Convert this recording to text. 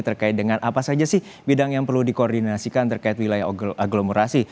terkait dengan apa saja sih bidang yang perlu dikoordinasikan terkait wilayah agglomerasi